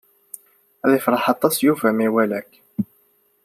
Ad ifreh aṭas Yuba ma iwala-k.